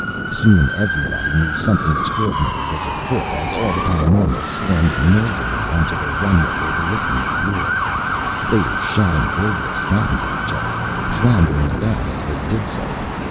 Soon everybody knew something extraordinary was afoot as all the paraNormals swarmed noisily onto the runway overlooking the floor. They were shouting wordless sounds at each other, floundering about as they did so.